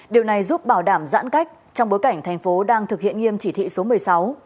điều này giúp bảo đảm giãn cách trong bối cảnh thành phố đang thực hiện nghiêm chỉ thị số một mươi sáu